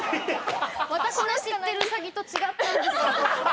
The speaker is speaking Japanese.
私の知ってるウサギと違ったんです何か。